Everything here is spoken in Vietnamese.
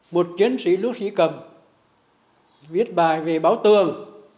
một chiến sĩ lúc sĩ cầm viết bài về báo tường